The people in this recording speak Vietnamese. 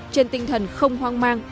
trên tinh thần không hoang mang